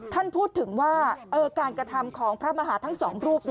ท่านพูดถึงว่าการกระทำของพระมหาทั้งสองรูป